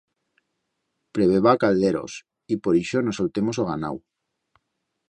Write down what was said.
Pleveba a calderos y por ixo no soltemos o ganau.